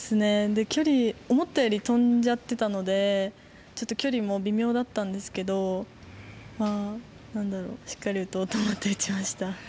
思ったより飛んじゃってたので距離も微妙だったんですがしっかり打とうと思って打ちました。